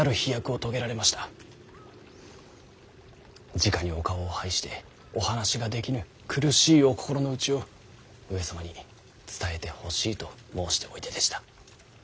じかにお顔を拝してお話ができぬ苦しいお心の内を上様に伝えてほしいと申しておいででした。